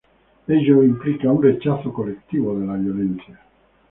Ello implica un rechazo colectivo de la violencia.